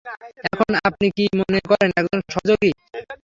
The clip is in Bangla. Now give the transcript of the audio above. এখন, আপনি কি মনে করেন একজন সহযোগী।